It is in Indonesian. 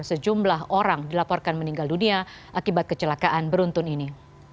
sejumlah orang dilaporkan meninggal dunia akibat kecelakaan beruntun ini